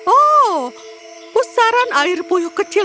oh pusaran air puyuh kecil